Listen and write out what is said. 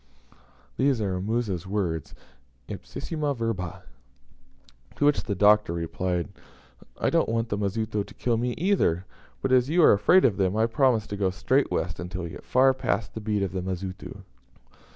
These are Musa's words ipsissima verba. To which the Doctor replied, "I don't want the Mazitu to kill me either; but, as you are afraid of them, I promise to go straight west until we get far past the beat of the Mazitu."